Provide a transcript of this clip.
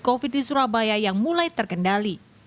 covid di surabaya yang mulai terkendali